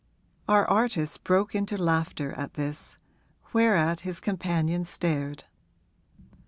Our artist broke into laughter at this, whereat his companion stared.